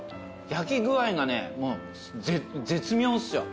焼き具合がね絶妙っすよ